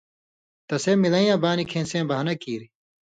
تسے مِلَیں یَاں بَانیۡ کِھیں سِیں بَھانہ کِیریۡ،